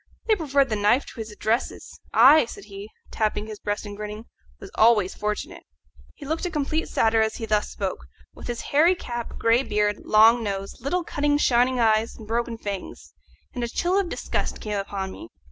They preferred the knife to his addresses. I," said he, tapping his breast and grinning, "was always fortunate." He looked a complete satyr as he thus spoke, with his hairy cap, grey beard, long nose, little cunning shining eyes, and broken fangs; and a chill of disgust came upon me.